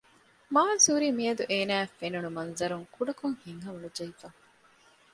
މާޒް ހުރީ މިއަދު އޭނާއަށް ފެނުނު މަންޒަރުން ކުޑަކޮށް ހިތްހަމަނުޖެހިފަ